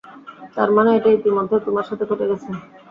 তার মানে এটা ইতোমধ্যেই তোমার সাথে ঘটে গেছে।